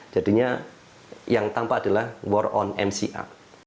jadinya yang tampak adalah war on mca